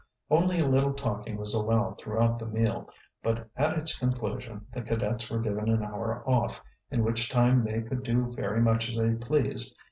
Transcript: Only a little talking was allowed throughout the meal, but at its conclusion the cadets were given an hour off, in which time they could do very much as they pleased.